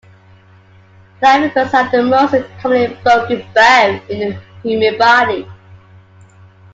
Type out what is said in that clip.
Clavicles are the most commonly broken bone in the human body.